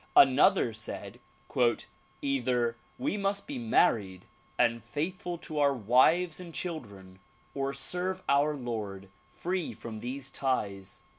Another said "Either we must be married and faithful to our wives and children or serve our Lord free from these ties.